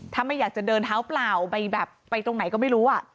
ถ้าไม่อยากจะเดินเท้าเปล่าไปแบบไปตรงไหนก็ไม่รู้